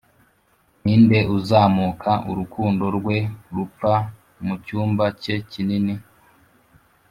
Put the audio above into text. ninde uzamuka urukundo rwe rupfa mucyumba cye kinini,